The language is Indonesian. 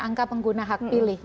angka pengguna hak pilih